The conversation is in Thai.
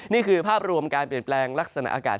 นี่คือภาพรวมการเปลี่ยนแปลงลักษณะอากาศ